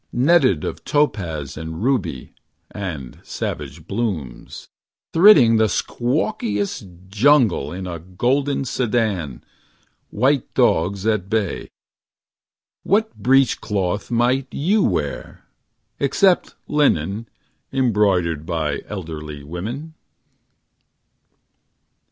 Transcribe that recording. Netted of topaz and ruby And savage blooms ; Thridding the squawkiest jungle In a golden sedan. White dogs at bay. What breech cloth might you wear— Except linen, embroidered By elderly women